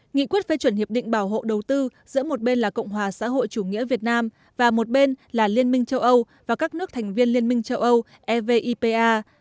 nghị quyết phê chuẩn hiệp định bảo hộ đầu tư giữa một bên là cộng hòa xã hội chủ nghĩa việt nam và một bên là liên minh châu âu và các nước thành viên liên minh châu âu evipa